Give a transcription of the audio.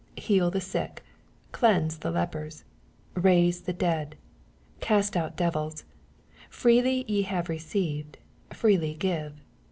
8 Heal the sick, cleanse the lepers. raise the dead, cast out devi]^ : freely ye have received, freely give.